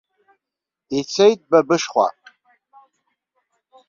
Ицеит ба бышхәа.